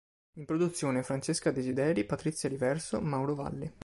In produzione: Francesca Desideri, Patrizia Riverso, Mauro Valli.